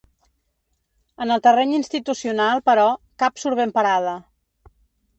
En el terreny institucional, però, cap surt ben parada.